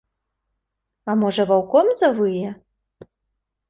А можа, ваўком завые?